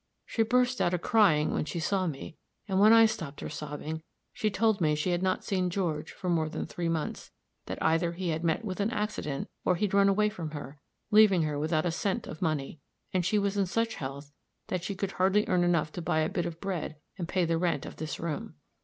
She burst out a crying when she saw me; and when I stopped her sobbing, she told me she had not seen George for more than three months; that either he had met with an accident, or he'd run away from her, leaving her without a cent of money, and she in such health that she could hardly earn enough to buy a bit of bread and pay the rent of this room.